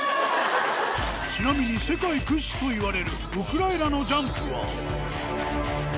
ちなみに、世界屈指といわれるウクライナのジャンプは。